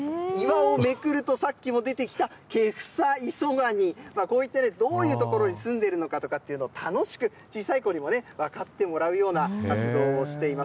めくるとさっきも出てきたケフサイソガニ、こういって、どういった所に住んでいるのかとかというのを楽しく、小さい子にも分かってもらうような活動をしています。